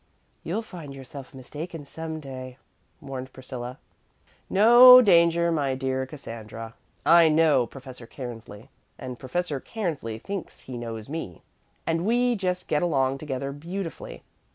"You'll find yourself mistaken some day," warned Priscilla. "No danger, my dear Cassandra. I know Professor Cairnsley, and Professor Cairnsley thinks he knows me; and we just get along together beautifully.